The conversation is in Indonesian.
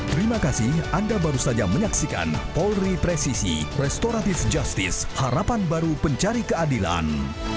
terima kasih anda baru saja menyaksikan polri presisi restoratif justice harapan baru pencari keadilan